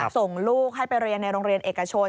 ส่งลูกให้ไปเรียนในโรงเรียนเอกชน